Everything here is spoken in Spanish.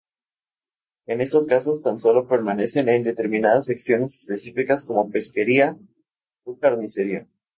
En estos casos, tan solo permanecen en determinadas secciones específicas como pescadería o carnicería.